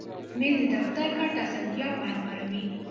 مېز د دفتر کار ته اسانتیا برابروي.